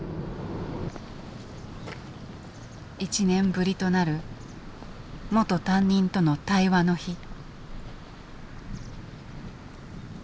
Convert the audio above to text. １年ぶりとなる元担任との対話の日。